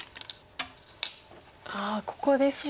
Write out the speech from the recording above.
ああここですか。